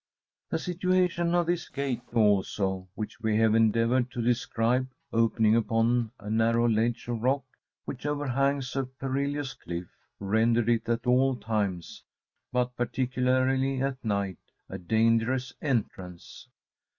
The situation of this gate also, which we have endeavoured to describe, opening upon a narrow ledge of rock which overhangs a perilous cliff, rendered it at all times, but particularly at night, a dangerous entrance.